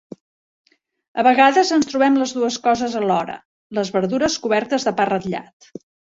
De vegades en trobem les dues coses alhora, les verdures cobertes de pa ratllat.